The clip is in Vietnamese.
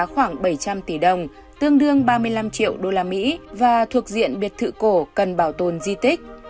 khoảng bảy trăm linh tỷ đồng tương đương ba mươi năm triệu usd và thuộc diện biệt thự cổ cần bảo tồn di tích